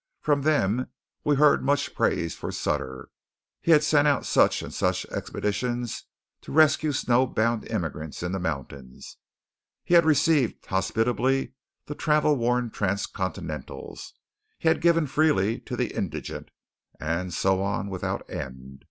From them we heard much praise for Sutter. He had sent out such and such expeditions to rescue snow bound immigrants in the mountains; he had received hospitably the travel worn transcontinentals; he had given freely to the indigent; and so on without end.